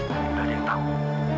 tapi tidak ada yang tahu